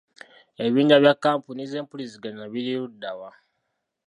Ebibinja bya kampuni zempuliziganya biri luddawa?